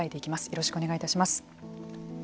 よろしくお願いします。